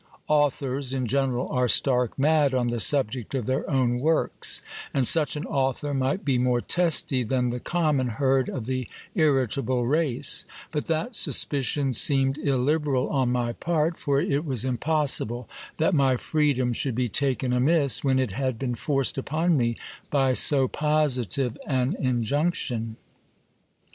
Authors in general are stark mad on the subject of their own works, and such an author might be more testy than the common herd of the irritable race : but that suspicion seemed illiberal on my part, for it was impossible that my freedom should be taken amiss, when it had been forced upon me by so positive an injunction.